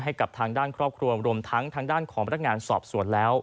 ให้กับทางด้านครอบครัวรวมทั้งทางด้านหรือวิทยาศาสตร์